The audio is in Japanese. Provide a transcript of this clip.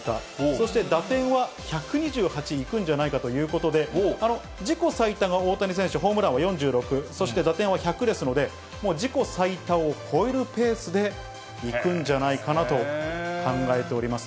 そして打点は１２８いくんじゃないかということで、自己最多が大谷選手ホームランは４６、そして打点は１００ですので、もう自己最多を超えるペースでいくんじゃないかなと考えております。